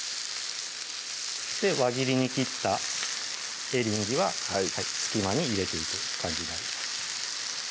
輪切りに切ったエリンギは隙間に入れていく感じになります